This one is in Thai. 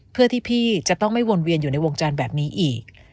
เพื่อที่พี่จะต้องไม่วนเวียนอยู่ในวงการแบบนี้อีก